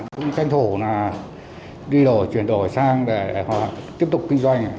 cũng tranh thủ là đi đổi chuyển đổi sang để họ tiếp tục kinh doanh